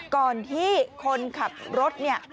ก่อนที่คนขับรถเนี่ย